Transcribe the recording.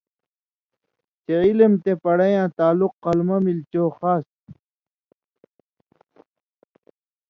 چے علم تے پڑَیں یاں تعلق قلمہ ملی چو خاص تُھو۔